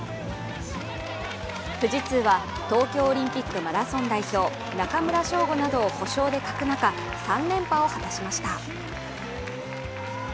富士通は東京オリンピックマラソン代表、中村匠吾などを故障で欠く中、３連覇を果たしました。